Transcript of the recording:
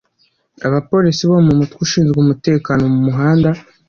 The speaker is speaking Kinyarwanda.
abapolisi bo mu mutwe ushinzwe umutekano mu muhanda